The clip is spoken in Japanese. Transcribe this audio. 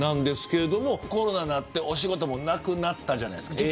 コロナになって、お仕事もなくなったじゃないですか。